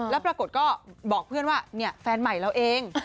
แล้วปรากฏก็บอกเพื่อนว่าเนี่ยแฟนใหม่เราเอง